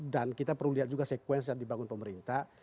dan kita perlu lihat juga sekuensi yang dibangun pemerintah